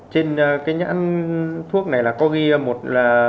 trên cái nhãn thuốc này là có ghi một là